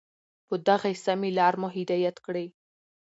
په دغي سمي لار مو هدايت كړې